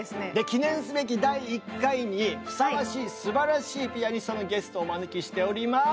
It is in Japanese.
記念すべき第１回にふさわしいすばらしいピアニストのゲストをお招きしております！